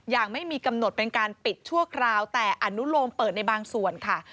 ยังไม่มีกำหนดเป็นการปิดชั่วคราวแต่อนุโลมเปิดในบางส่วนค่ะ